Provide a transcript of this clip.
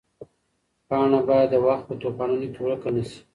پاڼه باید د وخت په توپانونو کې ورکه نه شي.